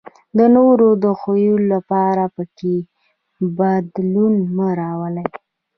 د نورو د خوښولو لپاره پکې بدلون مه راولئ.